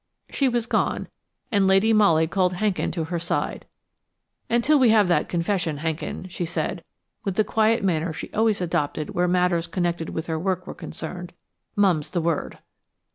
She was gone, and Lady Molly called Hankin to her side. "Until we have that confession, Hankin," she said, with the quiet manner she always adopted where matters connected with her work were concerned, "Mum's the word."